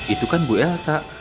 itu kan bu elsa